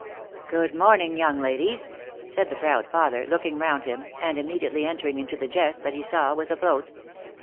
" Good morning young ladies !" said the proud father, looking round him, and immediately entering into the jest that he saw was afloat.